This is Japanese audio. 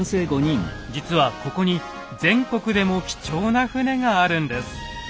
実はここに全国でも貴重な船があるんです。